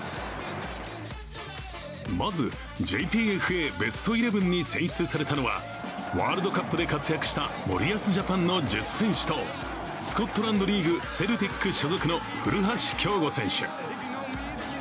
まず、ＪＰＦＡベストイレブンに選出されたのはワールドカップで活躍した森保ジャパンの１０選手とスコットランドリーグ・セルティック所属の古橋亨梧選手。